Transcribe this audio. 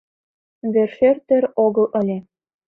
Вершӧр тӧр огыл ыле.